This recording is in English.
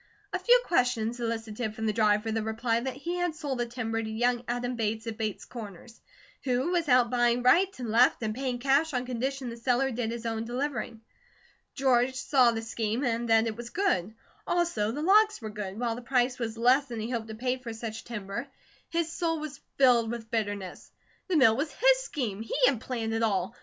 A few questions elicited from the driver the reply that he had sold the timber to young Adam Bates of Bates Corners, who was out buying right and left and paying cash on condition the seller did his own delivering. George saw the scheme, and that it was good. Also the logs were good, while the price was less than he hoped to pay for such timber. His soul was filled with bitterness. The mill was his scheme. He had planned it all.